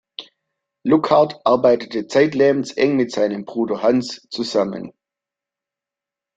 Luckhardt arbeitete zeitlebens eng mit seinem Bruder Hans zusammen.